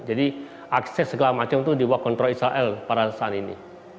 jadi akses segala macam itu dibawa kontrol israel pada saat ini